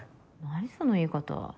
何その言い方。